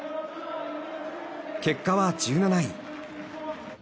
結果は１７位。